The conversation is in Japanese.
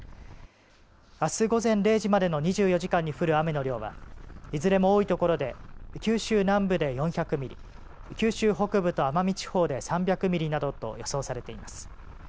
あす午前０時までの２４時間に降る雨の量はいずれも多いところで九州南部で４００ミリ、九州北部と奄美地方で３００ミリなどと予想されています。